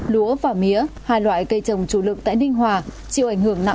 lúa và mỹa hai loại cây trồng chủ lực tại ninh hòa